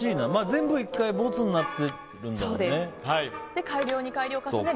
全部１回ボツになってるんだよね。